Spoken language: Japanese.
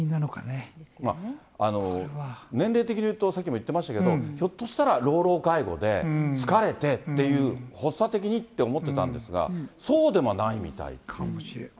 年齢的に言うと、さっきも言ってましたけど、ひょっとしたら老々介護で、疲れてっていう、発作的にって思ってたんですが、そうでもないみたい。かもしれない。